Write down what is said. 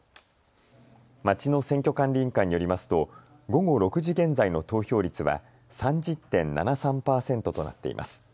町の選挙管理委員会によりますと午後６時現在の投票率は３０．７３％となっています。